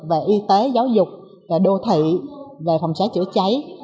về y tế giáo dục đô thị về phòng cháy chữa cháy